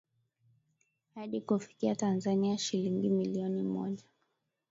hadi kufikia Tamzania shilingi milioni moja